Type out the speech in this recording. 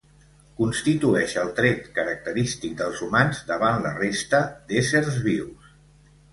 Constitueix el tret característic dels humans davant la resta d'éssers vius.